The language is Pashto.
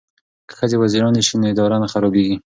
که ښځې وزیرانې شي نو اداره نه خرابیږي.